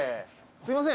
すいません。